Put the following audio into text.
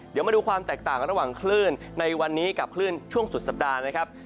เดี๋ยวมาดูความแตกต่างระหว่างคลื่นในวันนี้กับคลื่นช่วงสุดสัปดาห์นะครับ